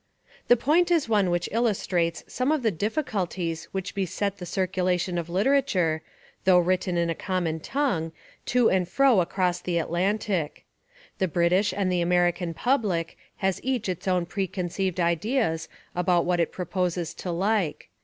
The point is one which illustrates some of the difficulties which beset the circulation of Essays and Literary Studies literature, though written in a common tongue, to and fro across the Atlantic. The British and the American public has each its own precon ceived Ideas about what it proposes to like.